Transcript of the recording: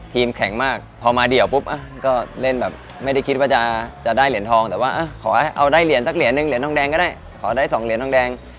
แข็งมากพอมาเดี่ยวปุ๊บก็เล่นแบบไม่ได้คิดว่าจะได้เหรียญทองแต่ว่าขอเอาได้เหรียญสักเหรียญหนึ่งเหรียญทองแดงก็ได้ขอได้๒เหรียญทองแดง